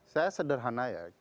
saya sederhana ya